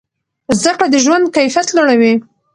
زده کړه د ژوند کیفیت لوړوي.